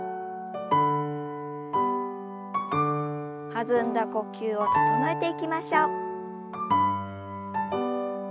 弾んだ呼吸を整えていきましょう。